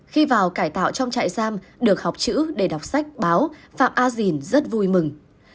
khi vào cải tạo trong trại giam được học chữ để đọc sách báo phạm a dình rất vui mừng